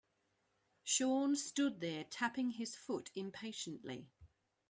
Sean stood there tapping his foot impatiently.